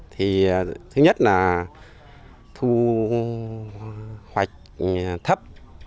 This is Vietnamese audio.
thứ nhất là thu hoạch thấp